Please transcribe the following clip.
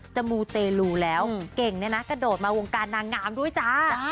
มูเตลูแล้วเก่งเนี่ยนะกระโดดมาวงการนางงามด้วยจ้า